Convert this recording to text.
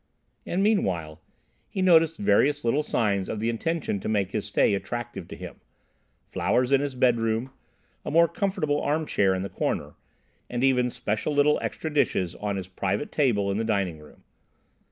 And, meanwhile, he noticed various little signs of the intention to make his stay attractive to him: flowers in his bedroom, a more comfortable arm chair in the corner, and even special little extra dishes on his private table in the dining room.